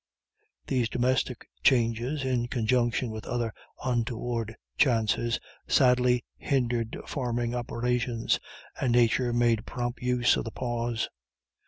These domestic changes, in conjunction with other untoward chances, sadly hindered farming operations, and nature made prompt use of the pause.